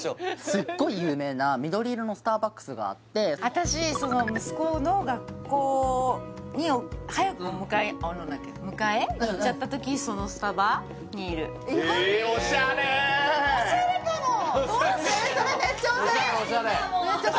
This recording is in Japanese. すっごい有名な緑色のスターバックスがあって私その息子の学校に早くお迎え迎えに行っちゃった時にオシャレかもどうしようそれメッチャ